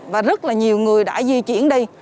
và rất là nhiều người đã di chuyển đi